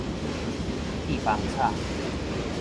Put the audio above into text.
鐵枋炒